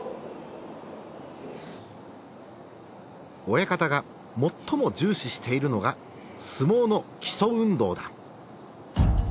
親方が最も重視しているのが相撲の基礎運動だ。